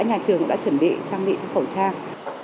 nhà trường cũng đã chuẩn bị trang bị cho khẩu trang